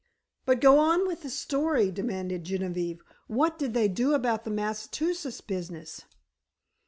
"But go on with the story," demanded Genevieve. "What did they do about the Massachusetts business?"